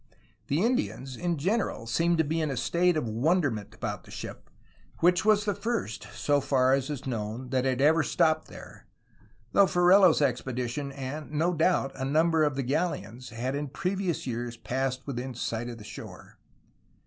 The Indians in general seemed to be in a state of wonderment about the ship, which was the first, so far as is known, that had ever stopped there, though Ferrelo's expedition and, no doubt, a number of the galleons had in previous years passed within sight of the shore.